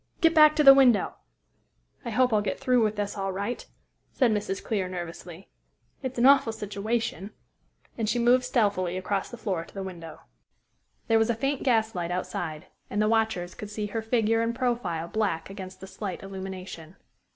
Get back to the window!" "I hope I'll get through with this all right," said Mrs. Clear nervously. "It's an awful situation," and she moved stealthily across the floor to the window. There was a faint gaslight outside, and the watchers could see her figure and profile black against the slight illumination.